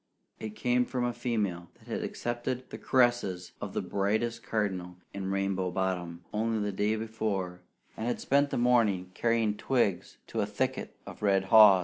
It came from a female that had accepted the caresses of the brightest cardinal in Rainbow Bottom only the day before, and had spent the morning carrying twigs to a thicket of red haws.